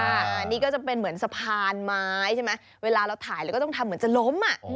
อันนี้ก็จะเป็นเหมือนสะพานไม้ใช่ไหมเวลาเราถ่ายเราก็ต้องทำเหมือนจะล้มอ่ะ